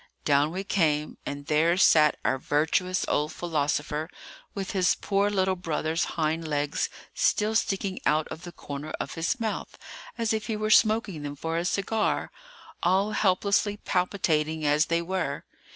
Down we came; and there sat our virtuous old philosopher, with his poor little brother's hind legs still sticking out of the corner of his mouth, as if he were smoking them for a cigar, all helplessly palpitating as they were.